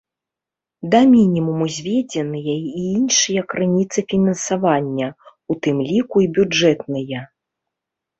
Да мінімуму зведзеныя і іншыя крыніцы фінансавання, у тым ліку і бюджэтныя.